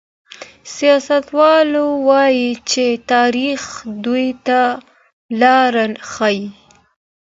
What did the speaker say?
سياستوال وايي چي تاريخ دوی ته لاره ښيي.